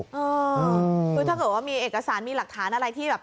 คือถ้าเกิดว่ามีเอกสารมีหลักฐานอะไรที่แบบ